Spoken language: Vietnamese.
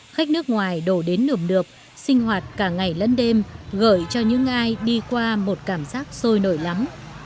khách nước ngoài đổ đến nượm được sinh hoạt cả ngày lẫn đêm gợi cho những ai đi qua một cảm giác sôi nổi lắm